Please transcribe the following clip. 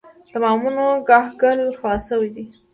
د بامونو کاهګل خلاص شوی و.